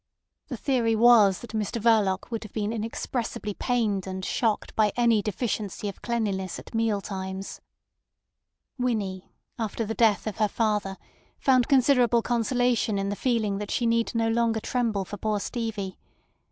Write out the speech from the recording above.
The theory was that Mr Verloc would have been inexpressibly pained and shocked by any deficiency of cleanliness at meal times. Winnie after the death of her father found considerable consolation in the feeling that she need no longer tremble for poor Stevie.